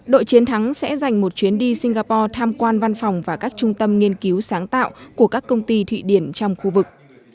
đội chiến thắng sẽ dành một chuyến đi singapore tham quan văn phòng và các trung tâm nghiên cứu sáng tạo của các công ty thụy điển trong khu vực